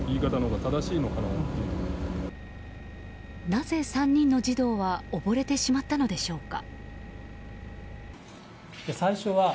なぜ、３人の児童は溺れてしまったのでしょうか。